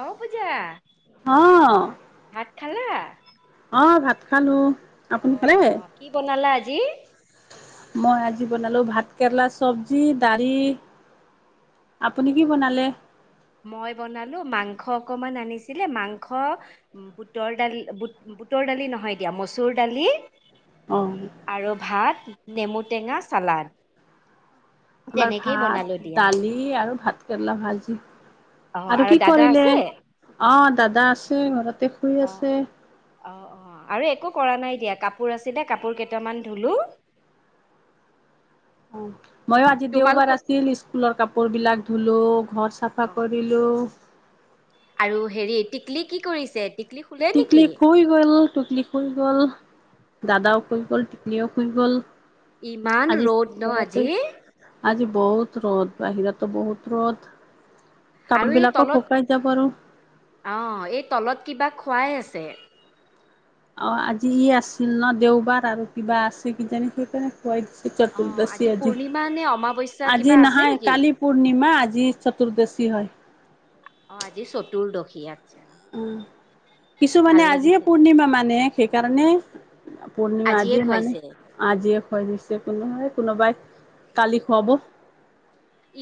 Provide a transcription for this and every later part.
অ' পূজা অ', ভাত খালা? অ' ভাত খালোঁ। আপুনি অ' খালে? অ' কি বনালা আজি? মই আজি বনালো ভাত কেৰেলা চব্জি, দালি আপুনি কি বনালে? মই বনালো মাংস অকমান আনিছিলে, মাংস বুটৰ দালি বু বুটৰ দালি নহয় দিয়া মচুৰ দালি অ', আৰু ভাত, নেমুটেঙা, ছালাড। আমাৰ ভাত, দালি আৰু ভাতকেৰেলা ভাজি। অ আৰু কি দাদা কৰিলে আছে অ, দাদা আছে ঘৰতে শুই অ আছে। অ', অ', আৰু একো কৰা নাই দিয়া কাপোৰ আছিলে কাপোৰ কেইটামান ধুলো। [inaudible] অ, ময়ো আজি তোমালোক দেওবাৰ আছিল স্কুলৰ কাপোৰ বিলাক ধুলো। ঘৰ চাফা অ কৰিলোঁ। আৰু হেৰি টিকলি কি কৰিছে? টিকলি শুলে টিকলি নেকি? শুই গ'ল টোকলি শুই গ'ল দাদাও শুই গ'ল। নিয় শুই গ'ল। ইমান আজি ৰ'দ ন' ঘৰতে, আজি? আজি বহুত ৰ'দ বাহিৰতটো বহুত ৰ'দ। কাপোৰ আৰু এই বিলাকো তলত শুকাই যাব আৰু অ, এই তলত কিবা খো খুৱাই আছে। অ, আজি ই আছিল ন' দেওবাৰ আৰু কিবা আছে কিজানি সেইকাৰণে খুৱাই দিছে অ' চতুৰ্দচি আজি পূৰ্ণিমা নে অমাৱস্যা -আজি কিবা আছে নাহায় নেকি কালি পূৰ্ণিমা আজি চতুৰ্দচি তি হয়? অ, আজি চতৰ্দশী উম, কিছুমানে আজিয়ে লাগিছে দিয়া পূৰ্ণিমা মানে সেইকাৰণে অ, পূৰ্ণিমা আজিয়ে মানে আজিয়ে হয় নিছে একো নহয় কোনোবাই কালি খুৱাব।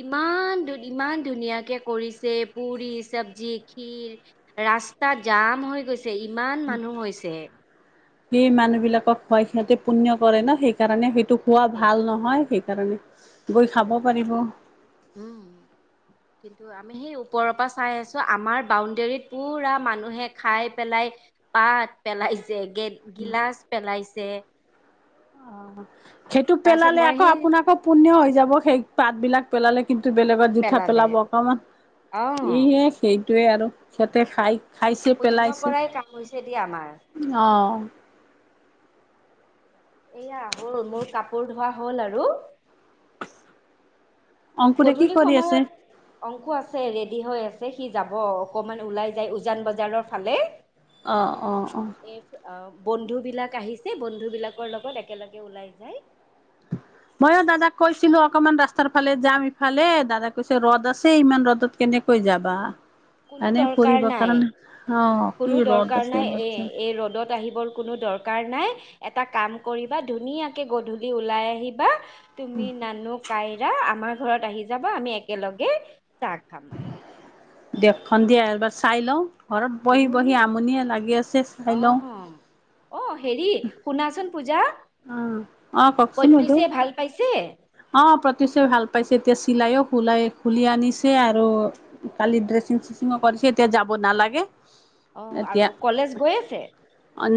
ইমান দুদিনমান ধুনীয়াকে কৰিছে পুৰি, চব্জি, খীৰ ৰাস্তাত জাম হৈ গৈছে, ইমান মানুহ হৈছে। সেই মানুহ বিলাকক খুৱাই সিহঁতে পুণ্য কৰে ন! সেইকাৰণে সেইটো খোৱা সেই ভাল নহয় সেই কাৰণে গৈ খাব পাৰিব। উম। কিন্তু আমি সেই ওপৰৰ পৰা চাই আছো। আমাৰ বাউণ্ডৰীত পুৰা মানুহে খাই পেলাই পাত পেলাইছে, গ গিলাচ পেলাইছে অঁ সেইটো তাৰপিছত পেলালে মই আকৌ সেই আপোনালোকৰ আকৌ পুণ্য হৈ যাব, সেই পাত বিলাক পেলালে'- কিন্তু বেলেগত জুঠা পেলালে পেলাব অকণমান অ', ইহে সেইটোৱে আৰু সিহঁতে খাই খাইছে, পুণ্য পেলাইছে কৰাই কাম হৈছে দিয়া আমাৰ। অঁ এয়া হ'ল, মোৰ কাপোৰ ধোৱা হ'ল আৰু অংকুৰে কি গধূলি কৰি আছে? সময়ত অংশ আছে ৰেড -ই হৈ আছে সি যাব অকনমান ওলাই যায় উজান বজাৰৰ ফালে অঁ অঁ অঁ এই বন্ধু বিলাক আহিছে, বন্ধু বিলাকৰ লগত একেলগে ওলাই যায়। 'মইো দাদাক কৈছিলো' অকনমান ৰাস্তাৰ ফালে যাম ইফালে দাদা কৈছে ৰ'দ আছে ইমান ৰ'দত কেনেক হৈ যাবা কোনো এনে ফুৰিব দৰকাৰ নাই কাৰণে অ', কি কোনো ৰ'দ দৰকাৰ আছে নাই এ বাপৰে এই ৰ'দত আহিবৰ কোনো দৰকাৰ দ নাই এটা কাম কৰিবা ধুনীয়াকে গধূলি ওলাই আহিবা। তুমি নানু, কাইৰা আমাৰ ঘৰত আহি যাব আমি একেলগে চাহ খাম। দেশখন দিয়া এবাৰ চাই লওঁ। ঘৰত বহি বহি ধুনীয়াকে। আমনিয়ে লাগি আছে চাই লওঁ। অঁ হেৰি শুনাচোন পূজা! অঁ, অঁ কওঁকচোন বদে পঁয়ত্ৰিশে ভাল পাইছে অঁ প্ৰতিচয় ভাল পাই। পিছে এতিয়া চিলাইও খুলাই খুলি আনিছে আৰু কালি ড্ৰেছিং চেচিং কৰিছে এতিয়া যাব নালাগে অ', আৰু এতিয়া কলেজ গৈ আছে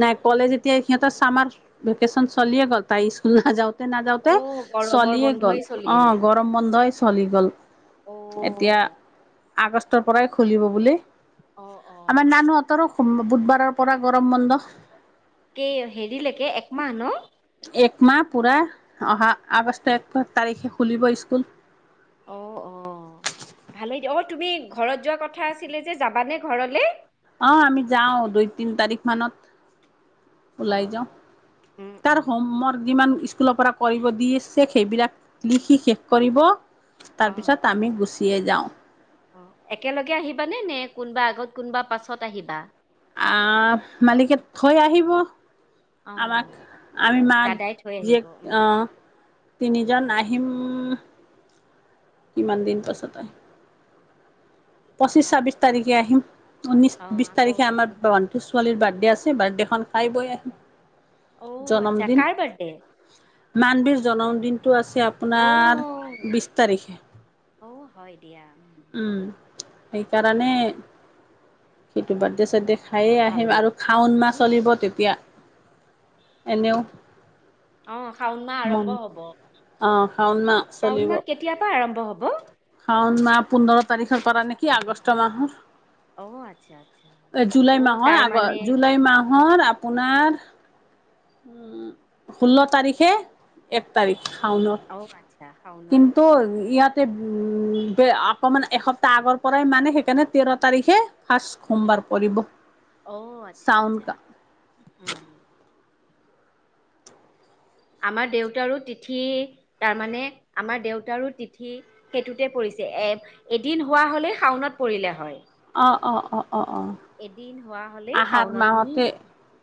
নাই ক'লে যে এতিয়া সিহঁতৰ চামাৰ ভেকেচন চলিয়ে গ'ল তাই স্কুল নাযাওঁ তে নাযাওঁতে অ', গৰমৰ চলিয়ে গ'ল বন্ধই অ চলিল গৰম বন্ধই চলি গ'ল। এতিয়া অ', আগষ্টৰ পৰাই খুলিব বুলি। অ', আমাৰ অ', নানুহঁতৰো বুধবাৰৰ পৰা গৰম বন্ধ। কেই হেৰিলেকে এক মাহ পূৰা। অহা আগষ্ট এক তাৰিখে খুলিব স্কুল। অঁ, অঁ। ভালেই দিয় অ তুমি ঘৰত যোৱা কথা আছিলে যে যাবানে ঘৰলে? অ আমি যাওঁ দুই তিন তাৰিখ মানত। ওলাই অ', যাওঁ অ', উম, তাৰ উম, হমৰ যিমান ইছ স্কুলৰ পৰা কৰিব দিছে সেইবিলাক লিখি শেষ কৰিব অ', তাৰপিছত আমি গোছ তিয়ে যাওঁ। একেলগে আহিবানে নে কোনোবা আগত কোনোবা পাছত আহিবা? আহ মালিকে থৈ আহিব। আমাক, অ', আমি মাক দাদাই থৈ আহিব জীয়েক, উম, আহ। তিনিজন আহিম, কিমান দিন পাছত আহিম। পঁচিছ ছাব্বিশ তাৰিখে আহিম, উনশ অ', বিশ আকৌ তাৰিখে আমাৰ ভণ্টিৰ ছোৱালীৰ বাৰ্থডে আছে বাৰ্থডে খন খাই বৈ আহিম। অ', আচ্ছা কাৰ বিৰ্থডে? মানবীৰ জন্মদিনটো আছে আপোনাৰ অ', বিশ তাৰিখে। অ', হয়। দিয়া উম উম, সেইকাৰণে, সেইটো বিৰ্থড ছাদদে খায়ে আহিম ভালেই আৰু শাওন মাহ উম, চলিব তেতিয়া এনেও অ', শাওণ মাহ আৰম্ভ হব। অ', শাওন মাহ শাওণ চলিব। মাহ কেতিয়াৰ পৰা আৰম্ভ হ'ব? শাওন ন পোন্ধৰ তাৰিখৰ পৰা নেকি আগষ্ট মাহৰ। অঁ, আচ্ছা আচ্ছা। অ', তাৰ মানে মোৰ আপোনাৰ ষোল্ল তাৰিখে, এক তাৰিখ। খাওনত অ', আচ্ছা শাওনৰ এক কিন্তু তাৰিখ ইয়াতে [unintelligible] অকমান এসপ্তাহ আগৰ পৰাই মানে সেইকাৰণে তেৰ তাৰিখে ফাৰ্ছ সোমবাৰ পৰিব। অ', আচ্ছা চাউন আচ্ছা। উম। আমাৰ দেউতাৰো তিথি তাৰমানে আমাৰ দেউতাৰো তিথি সেইটোতে পৰি এ এদিন হোৱা হলেই শাওনত পৰিলে হয়। অ', অ', অ', অ', অ', এদিন হোৱা হ'লে আহাৰ শাওনত মাহতে।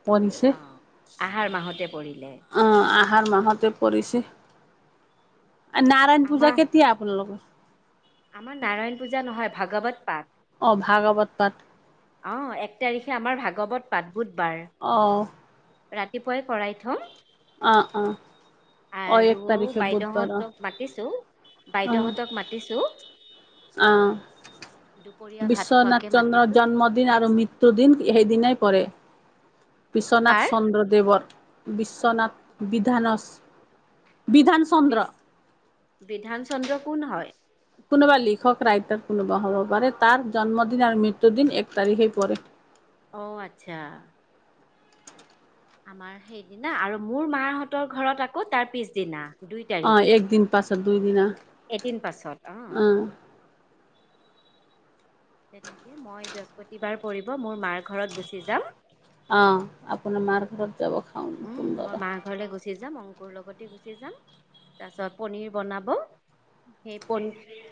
পৰিছে। অ', আহাৰ মাহতে পৰিলে আহ আহাৰ মাহত। পৰিছে। আৰু নাৰায়ণ আমাৰ পূজা কেতিয়া আপোনালোকৰ? আমাৰ নাৰায়ণ পূজা নহয় ভাগৱত পাঠ। অ', ভাগৱত পাঠ? অ', এক তাৰিখে আমাৰ ভাগৱত পাঠ বুধবাৰ। অ', ৰাতিপুৱাই কৰাই থম। অ', অ', অ', এক আৰু তাৰিখে বুধবাৰ অ', বাইদেউহতক মতিছো। অ', বাইদেউহঁতক মাতিছো। অ', দুপৰীয়া ভাত খোৱাকে বিশ্বনাথ চন্দ্ৰ মাতিছো জ জন্মদিন আৰু মৃত্যুদিন সেই দিনই পৰে। বিশ্বনাথ কাৰ চন্দ্ৰদেৱৰ, বিশ্বনাথ বিধানস বি বিধান চন্দ্ৰ কোন হয়? কোনোবা লিখক ৰাইটাৰ কোনোবা হ'ব পাৰে তাৰ জন্মদিন আৰু মৃত্যুদিন এক তাৰিখে পৰে। অ', আচ্ছা। আমাৰ সেইদিনা আৰু মোৰ মাহঁতৰ ঘৰত আকৌ তাৰ পিছদিনা। দুই তাৰিখ অ', এক দিন পাছত দুইদিনা এদিন পাছত। অহ। অ', তেনেকে মই বৃহস্পতিবাৰ পৰিব, মোৰ মাৰ ঘৰত গুচি যাম। অহ, আপোনাৰ মাৰ ঘৰত যাব শাওন উম মই সোমবাৰে মাৰ ঘৰলে গুচি যাম অংকুৰ লগতে গুচি যাম। তাৰ পিছত পনীৰ বনাব সেই পনীৰ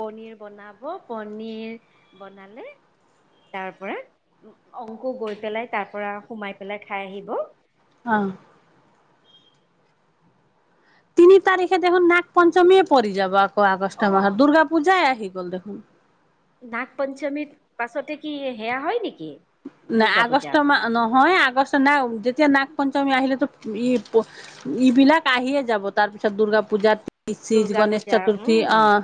পনীৰ বনাব, পনীৰ বনালে তাৰ পৰা অংক গৈ পেলাই তাৰ পৰা সোমাই পেলাই খাই আহিব। অঁ। তিনি তাৰিখে দেখোন নাগ পঞ্চমী পৰিি যাব আকৌ অ আগষ্ট মাহত দুৰ্গা পূজাই আহি দী গল দেখোন। নাগ পঞ্চমীৰ পাছতে কি সেয়া হয় নেকি? ন দুৰ্গা আগষ্ট পূজা মাহ নহয় আগষ্ট না যেতিয়া নাগ পঞ্চমী আহিলেতো ই- ইবিলাক আহিয়ে যাব, তাৰ পিছত দুৰ্গা পূজাত পি [unintelligible] চি দুৰ্গা গণেশ পূজা চতুৰ্থী, উম আহ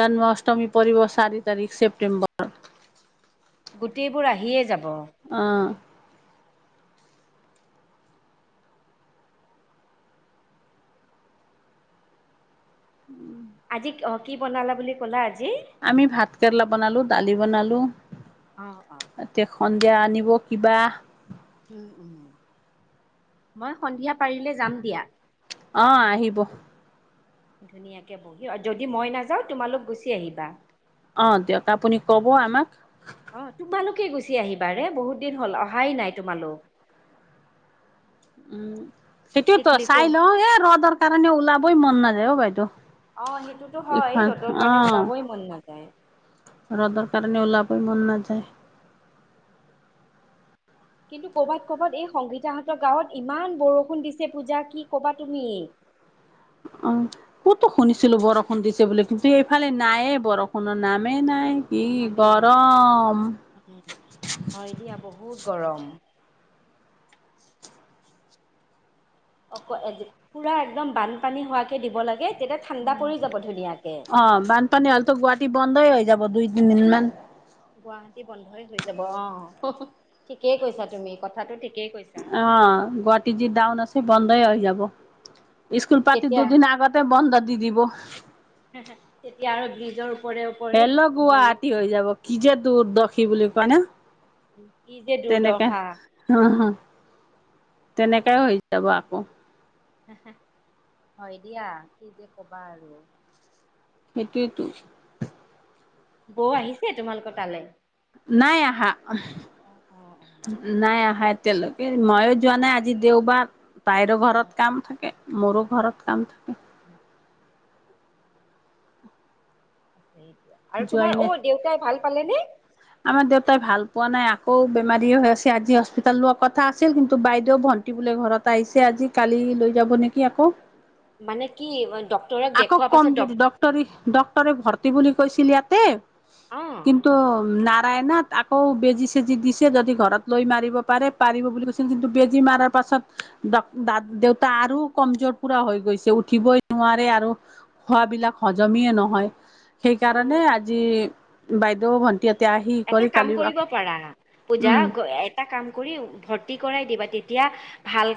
জন্ম অষ্টমী পৰিব চাৰি তাৰিখ ছেপ্টেম্বৰ গোটেইবোৰ আহিয়ে যাব। অহ। উম আজি অ, কি বনালা বুলি কলা আজি? আমি ভাত কেৰেলা বনালো, দালি বনালো, অ অ এতিয়া সন্ধিয়া আনিব কিবা উম, মই সন্ধিয়া পাৰিলে যাম দিয়া। অ আহিব। ধুনীয়াকে বহি, যদি মই নাযাওঁ তোমালোক গুচি আহিবা অ দিয়ক, আপুনি কব আমাক। অ তোমালোকে গুচি আহিবা ৰে বহুত দিন হল অহাই নাই তোমালোক। উম সেইটোয়তো টিকলিকো চাই লও এ ৰ'দৰ কাৰণে ওলাবই মন নাযায় অ বাইদেউ। অ সেইটোতো হয় ইফাল ৰ'দৰ কাৰণে অ' ওলাবই মন নাযায়। ৰ'দৰ কাৰণে ওলাবই মন নাযায়। কিন্তু কৰবাত ক'বাত এই সংগীতাহঁতৰ গাঁৱত ইমান বৰষুণ দিছে পূজা কি কবা তুমি? অ কতো শুনিছিলো বৰষুণ দিছে বুলি কিন্তু এইফালে নায়ে বৰষুণৰ নামেই নাই। কি নামেই নাই, গৰম হয় দিয়া বহুত গৰম। অক এ পুৰা একদম বানপানী হোৱকে দিব লাগে। তেতিয়া ঠাণ্ডা পৰি যাব ধুনীয়াকে অহ' বানপানী হ'লেতো গুৱাহাটী বন্ধই হৈ যাব, দুই তিনিদিন মান।। গুৱাহাটি বন্ধই হৈ যাব অহ, ঠিকেই কৈছা তুমি কথাটো ঠিক। অহ', গুৱাহাটী যি ডাউন আছে বন্ধই হৈ যাব। স্কুল পাতি তেতিয়া দুদিন আগতে বন্ধ দি দিব। হে হে তেতিয়া আৰু ব্ৰিজৰ ওপৰে ওপৰে হেল্ল' দৌৰি গুৱাহাটী হৈ যাব কি যে দূৰ দখী বুলি কোৱা ন। কি যে তেনেকে দুৰ্দশা। হ হ। তেনেকেই হৈ যাব আকৌ। হে হে হয় দিয়া কি যে কবা আৰু। সেইটোৱেইটো। বৌ আহিছে তোমালোকৰ তালে? নাই আহা, অ', নাই আহা এতিয়ালৈকে। ময়ো যোৱা অ', নাই আজি দেওবাৰ, তাইৰো ঘৰত কাম থাকে, মোৰো ঘৰত কাম থাকে। [inaudible] আছে এতিয়া। আৰু তোমাৰ যোৱাই নাই। অ' দেউতাই ভাল পালেনে? আমাৰ দেউতাই ভাল পোৱা নাই। ঔ বেমাৰী হৈ আছে আজি হস্পিতাল লোৱা কথা আছিল, কিন্তু বাইদেউ ভণ্টি বোলে ঘৰত আহিছে আজি কালি। লৈ যাব নেকি আকৌ। মানে কি। ডক্তৰক আকৌ দেখুওৱাৰ পাছত ডক কমজৰি, ডক্টৰি ডক্টৰে ভৰ্তি বুলি কৈছিল ইয়াতে। অ', কিন্তু, নাত। তাইনাত আকৌ, বেজি চেজি দিছে যদি ঘৰত লৈ মাৰিব পাৰে, পাৰিব বুলি কৈছিল কিন্তু বেজি মাৰ পাছত। পাছত ডক-দাট দেউতা আৰু কমজোৰ পুৰা হৈ গৈছে উঠিবই নোৱাৰে। আৰু খোৱাবিলাক হজমেই নহয়। সেইকাৰণে, আজি অ', বাইদেউ ভন্টি। এটা কাম কৰিব পাৰা। পূজা, উম এটা কাম কৰি ভৰ্তি ভৰ্তি কৰাই দিবা। তেতিয়া ভাল।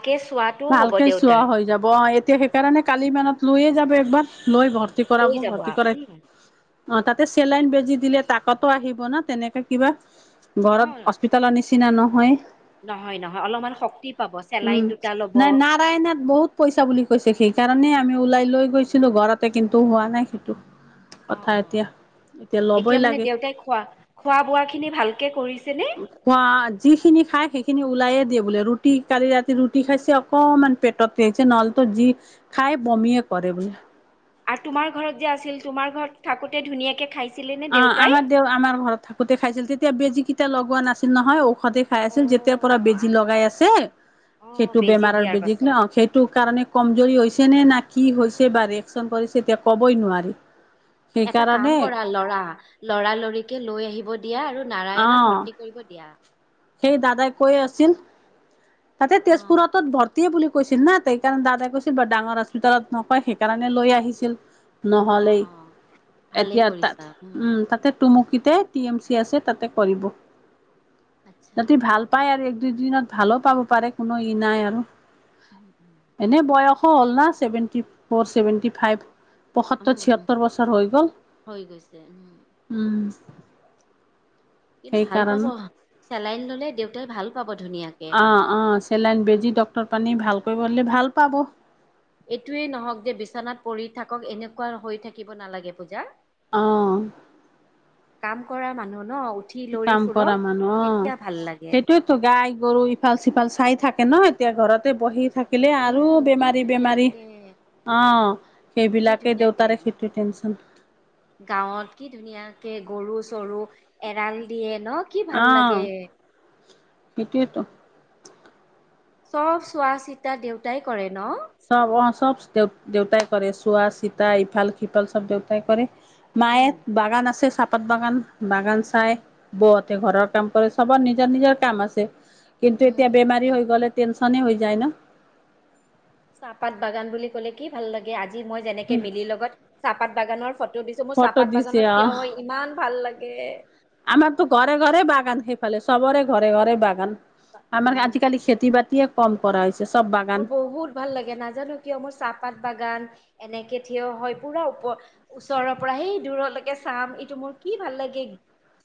ভালকে চোৱা হৈ যাব। অহ' এতিয়া সেইকাৰণে কালি মানত লৈয়ে যাব একবাৰ। লৈ ভৰ্তি লৈ কৰাব, যাবা ভৰ্তি কৰাই। উম। অহ' তাতে চেলাইন বেজি দিলে, তাকতো আহিব ন তেনেকে কিবা ঘৰত, অ', হস্পিতালৰ নিচিনা। নিচিনা নহয়। নহয়, নহয় অলপমান শক্তি পাব। উম চেলাইন দুটা ল'ব। নাই নাৰায়ণত বহুত পইচা বুলি কৈছে। সেইকাৰণে কাৰণে আমি ওলাই লৈ গৈছিলো ঘৰতে, কিন্তু হোৱা নাই সেইটো অ', কথা এতিয়া। অ'। এতিয়া লবই মানে লাগে। দেউতাই খোৱা খোৱা বোৱা খিনি ভালকে কৰিছে নে খোৱা যিখিনি খাই সেইখিন। সেইখিনি ওলায়ে দিয়ে বোলে, ৰুটি কালি ৰাতি ৰুটি খাইছে অকল। অকমান পেটত থিছে, নহ'লেতো যি খাই বমীয়ে কৰে বোলে। আৰু তোমাৰ ঘৰত যে আছিল, তোমাৰ ঘৰত থাকোতে ধুনীয়াকে খাইছিল। অ', আমাৰ দেউ আমাৰ ঘৰত থাকোতে খাইছিল। তেতিয়া, বেজী কেইটা লগোৱা নাছিল নহয়। ঔষধ ঔষতে খাই অ আছো, যেতিয়াৰ পৰা বেজি আহ লগাই আছে। অ', সেইটো বেজি বেমাৰৰ দিয়াৰ বেজিক ন, পাছত সেইটো কাৰণে কমজোৰি হৈছে। তেনে না কি হৈছে, বা ৰিয়েকশচন কৰিছে এতিয়া ক'বই নোৱাৰি। এটা কাম সেইকাৰণে কৰা ল'ৰা, ল'ৰা লৰিকে লৈ আহিব। দিয়া আৰু অ নাৰায়ণত ভৰ্তি কৰিব দিয়া। সেই দাদাই কৈ আছিল। তাতে অ তেজপুৰতত ভৰ্তি বুলি। কৈছিল না, তেই কাৰণে দাদাই কৈছিল বাৰ ডাঙৰ হস্পিতালত নকয় সেইকাৰণে লৈ আহিছিল। অ নহ'লেই, অ ভালেই এতিয়া তাত কৰিছা উম, তাতে টুমুকিতে টি এম চি আছে। তাতে কৰিব, আচ্ছা যাতে ভাল পায় আৰু। প্ৰতিদিনত ভালো পাব পাৰে, কোনো ই নাই আৰু। উম', উম,। এনে বয়সো হ'ল না ছেভেনটি, ফৰ ছেভেনটি ফাইভ। পয়সত্তৰ উম উম, ছিয়ত্তৰ বছৰ হৈ গ'ল হৈ গৈছে উম উম কিন্তু ভাল পাব সেইকাৰণে চেলাইন ল'লে দেউতাই ভাল পাব ধুনীয়াকে অ অ চেলাইন বেজী ডক্টৰ পানী ভাল কৰিব হ'লে ভাল পাব এইটোয়ে নহওঁক যে বিচনাত পৰি থাকক এনেকুৱা হৈ থাকিব নালাগে পূজা অ কাম কৰা মানুহ ন উঠি লৰি কাম কৰা ফুৰক মানুহ অ তেতিয়া ভাল লাগে। সেইটোয়তো গাই গৰু ইফাল চিফাল চাই থাক তাকে ন এতিয়া ঘৰতে বহি থাকিলে আৰু উম কি বেমাৰী বেমাৰী ধুনীয়াকে অ কি সেইবিলাকেই ধুনীয়াকে দেউতাৰে উম। সেইটো টেনচন গাঁৱত কি ধুনীয়াকে গৰু চৰু এৰাল দিয়ে। ন কি ভাল অ', লাগে। সেইটোয়েতো। চব চোৱা চিতা দেউতাই কৰে ন? চব অ চব দেউ দেউতাই কৰে চুৱা চীতা ইফাল সিফাল সব দেউতাই কৰে। মায় উম বাগান আছে চাপ। পাত বাগান, বাগান চাই বৌ হতেৰ ঘৰৰ কাম কৰে, চবৰ নিজৰ নিজৰ কাম আছে। কিন্তু উম। এতিয়া বেমাৰী হৈ গ'লে, টেনচনে হৈ যায় ন। চাহপাত বাগান বুলি ক'লে কি ভাল লাগে। আজি আজি মই যেনেকে মিলি লগত চাহপাত বাগানৰ ফটো দিছোঁ। মোৰ ফটো চাহপাত দিছে বাগানত অ'। থিয় হৈ ইমান ভাল লাগে। এ। আমাৰতো ঘৰে ঘৰে বাগান সেইফালে, চবৰে ঘৰে ঘৰে বাগান। আমাৰ উম আজিকালি, খেতি বাতিয়ে কম কৰা হৈছে। চব বাগান মোৰ বহুত ভাল লাগে নাজানো কিয় মোৰ চাহপাত বাগান। এনেকে থিয় হয় পুৰা ওপ ওচৰৰ পৰা সেই দূৰলৈকে চাম ইটো মোৰ কি ভাল লাগিল। [inaudible]